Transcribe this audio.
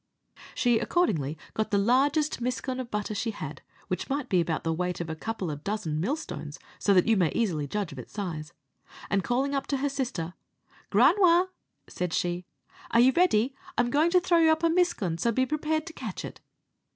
She accordingly got the largest miscaun of butter she had which might be about the weight of a couple a dozen mill stones, so that you may easily judge of its size and calling up to her sister, "Granua," said she, "are you ready? I'm going to throw you up a miscaun, so be prepared to catch it."